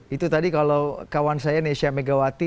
itu tadi kalau kawan saya nesya megawati